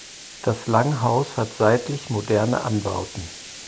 Das Langhaus hat seitlich moderne Anbauten.